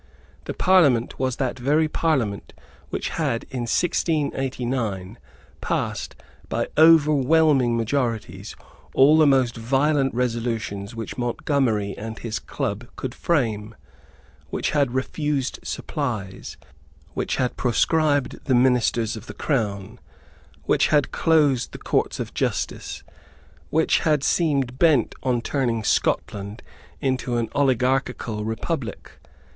The Parliament was that very Parliament which had in 1689 passed, by overwhelming majorities, all the most violent resolutions which Montgomery and his club could frame, which had refused supplies, which had proscribed the ministers of the Crown, which had closed the Courts of justice, which had seemed bent on turning Scotland into an oligarchical republic.